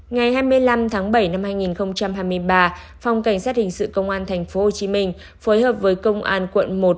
ngày hai mươi năm tháng bảy năm hai nghìn hai mươi ba phòng cảnh sát hình sự công an tp hcm phối hợp với công an quận một